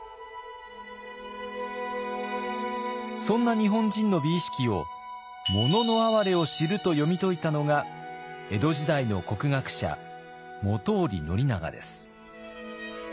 そんな日本人の美意識を「“もののあはれ”を知る」と読み解いたのが江戸時代の国学者本居宣長です。